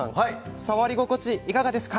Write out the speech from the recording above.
触り心地、いかがですか。